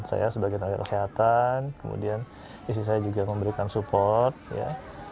saya sebagai tenaga kesehatan kemudian istri saya juga memberikan support ya